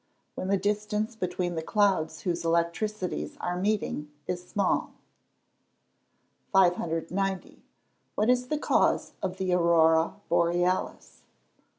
_ When the distance between the clouds whose electricities are meeting, is small. 590. _What is the cause of the aurora borealis?